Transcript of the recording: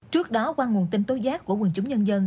trước đó qua nguồn tin tố giác của quần chúng nhân dân